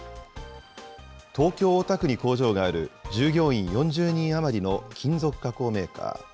東京・大田区に工場がある従業員４０人余りの金属加工メーカー。